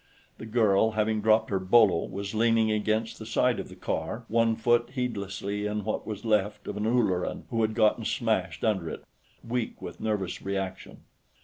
The girl, having dropped her bolo, was leaning against the side of the car, one foot heedlessly in what was left of an Ulleran who had gotten smashed under it, weak with nervous reaction.